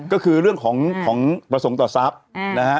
ก็คือเรื่องของประสงค์ต่อทรัพย์นะฮะ